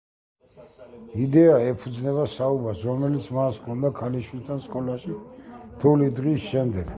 იდეა ეფუძნება საუბარს, რომელიც მას ჰქონდა ქალიშვილთან, სკოლაში რთული დღის შემდეგ.